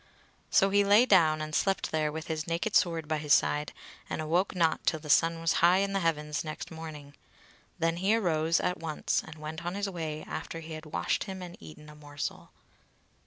So he lay down and slept there with his naked sword by his side, and awoke not till the sun was high in the heavens next morning. Then he arose at once and went on his way after he had washed him, and eaten a morsel.